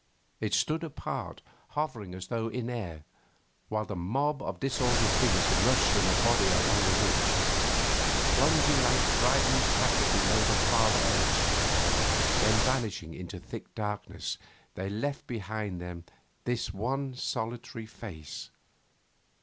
It stood apart, hovering as though in air, while the mob of disordered figures rushed in a body along the ridge. Plunging like frightened cattle below the farther edge, then vanishing into thick darkness, they left behind them this one solitary face.